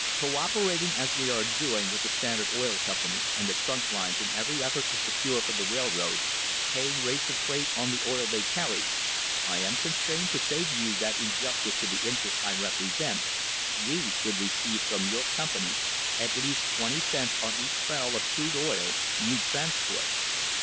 ... Co operating as we are doing with the Standard Oil Company and the trunk lines in every effort to secure for the railroads paying rates of freight on the oil they carry, I am constrained to say to you that in justice to the interests I represent we should receive from your com pany at least twenty cents on each barrel of crude oil you transport."